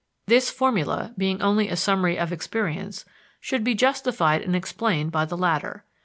This formula, being only a summary of experience, should be justified and explained by the latter.